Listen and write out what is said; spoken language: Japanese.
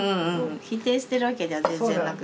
否定してるわけじゃ全然なくて。